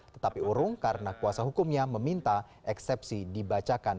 tetapi urung karena kuasa hukumnya meminta eksepsi dibacakan